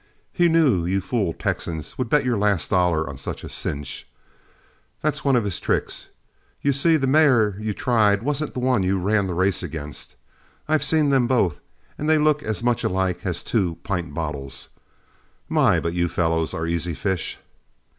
He knew you fool Texans would bet your last dollar on such a cinch. That's one of his tricks. You see the mare you tried wasn't the one you ran the race against. I've seen them both, and they look as much alike as two pint bottles. My, but you fellows are easy fish!"